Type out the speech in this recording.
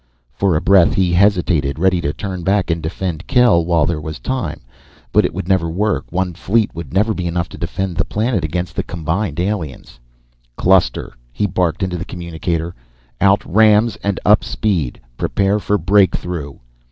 For a breath he hesitated, ready to turn back and defend Kel while there was time. But it would never work. One fleet would never be enough to defend the planet against the combined aliens. "Cluster!" he barked into the communicator. "Out rams and up speed. Prepare for breakthrough!"